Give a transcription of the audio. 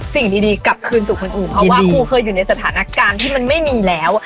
สิ่งดีกลับคืนสู่คนอื่นเพราะว่าครูเคยอยู่ในสถานการณ์ที่มันไม่มีแล้ว